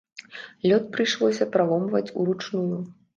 Лёд прыйшлося праломваць ўручную.